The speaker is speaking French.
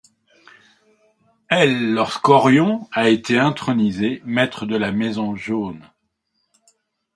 Elle Lorsque Orion a été intronisé maître de la maison Jaune.